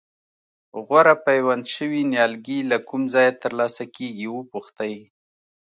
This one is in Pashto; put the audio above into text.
غوره پیوند شوي نیالګي له کوم ځایه ترلاسه کېږي وپوښتئ.